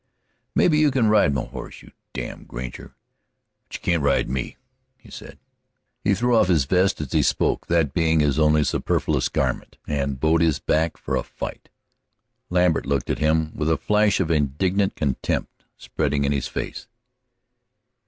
"Maybe you can ride my horse, you damn granger, but you can't ride me!" he said. He threw off his vest as he spoke, that being his only superfluous garment, and bowed his back for a fight. Lambert looked at him with a flush of indignant contempt spreading in his face.